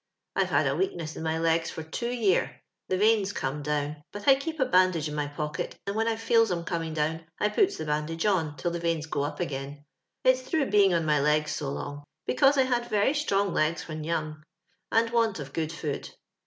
I've had a wealmess in my legs for two year; the veins comes down, but I keep a bandage in my podket, and when I ibels 'em ■ ooming down, I puts the bandage on till the veins goes up again 4t'8 through being on my legs 80 long (becanse I had veiy strong legs when young) and want of oood food.